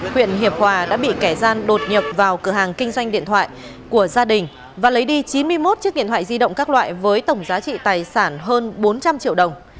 huyện hiệp hòa đã bị kẻ gian đột nhập vào cửa hàng kinh doanh điện thoại của gia đình và lấy đi chín mươi một chiếc điện thoại di động các loại với tổng giá trị tài sản hơn bốn trăm linh triệu đồng